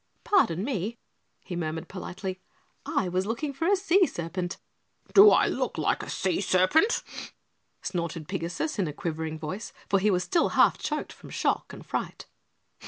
"Pardon me," he murmured politely, "I was looking for a sea serpent." "Do I look like a sea serpent?" snorted Pigasus in a quivering voice, for he was still half choked from shock and fright.